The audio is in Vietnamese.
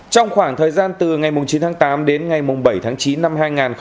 trong khoảng thời gian từ ngày chín tháng tám đến ngày bảy tháng chín năm hai nghìn một mươi chín